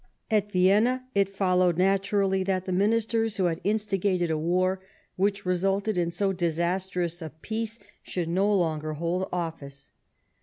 At Vienna, it followed naturally that the Ministers who had instigated a war which resulted in so disastrous a peace should no longer hold office.